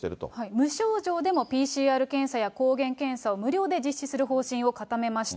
無症状でもＰＣＲ検査や抗原検査を無料で実施する方針を固めました。